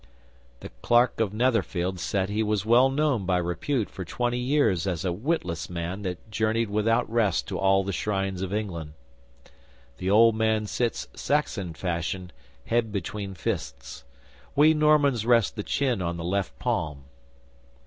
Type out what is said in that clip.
'The Clerk of Netherfield said he was well known by repute for twenty years as a witless man that journeyed without rest to all the shrines of England. The old man sits, Saxon fashion, head between fists. We Normans rest the chin on the left palm.